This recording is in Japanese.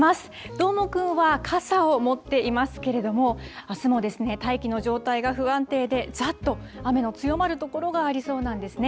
どーもくんは傘を持っていますけれども、あすも大気の状態が不安定で、ざーっと雨の強まる所がありそうなんですね。